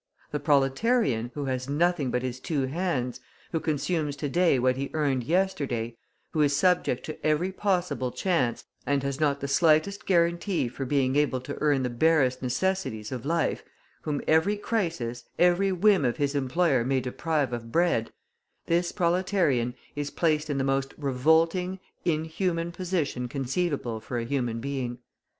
The proletarian, who has nothing but his two hands, who consumes to day what he earned yesterday, who is subject to every possible chance, and has not the slightest guarantee for being able to earn the barest necessities of life, whom every crisis, every whim of his employer may deprive of bread, this proletarian is placed in the most revolting, inhuman position conceivable for a human being.